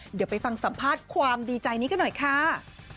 เดี๋ยวไปฟังสัมภาษณ์ความดีใจนี้กันหน่อยค่ะ